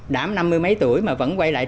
đám năm mươi mấy tuổi mà vẫn quay lại